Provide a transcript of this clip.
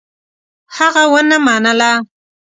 هغه ونه منله.